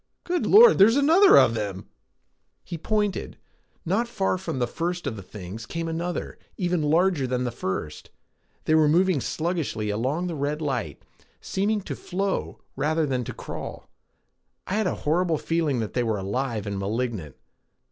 "Good Lord, there's another of them!" He pointed. Not far from the first of the things came another, even larger than the first. They were moving sluggishly along the red light, seeming to flow rather than to crawl. I had a horrible feeling that they were alive and malignant.